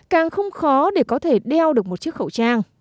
càng không khó để có thể đeo được một chiếc khẩu trang